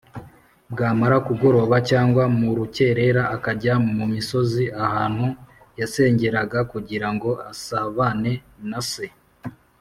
bwamara kugoroba cyangwa mu rukerera akajya mu misozi ahantu yasengeraga kugira ngo asabane na se